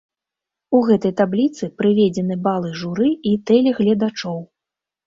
У гэтай табліцы прыведзены балы журы і тэлегледачоў.